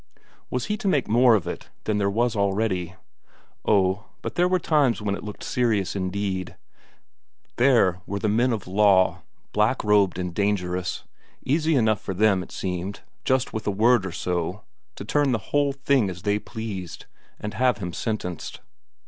Was he to make more of it than there was already? Oh, but there were times when it looked serious indeed; there were the men of Law, black robed and dangerous, easy enough for them, it seemed, just with a word or so, to turn the whole thing as they pleased, and have him sentenced.